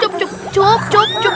cukup cukup cukup